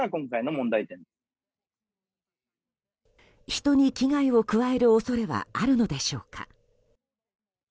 人に危害を加える恐れはあるのでしょうか。